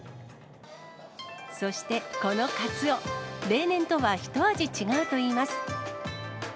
そしてこのカツオ、例年とは一味違うといいます。